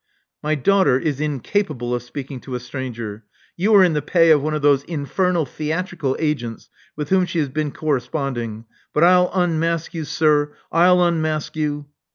" My daughter is incapable of speaking to a stranger. You are in the pay of one of those infernal theatrical agents with whom she has been corresponding. But 1*11 unmask you, sir. I'll unmask you."